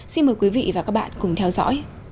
xin mời quý vị và các bạn cùng theo dõi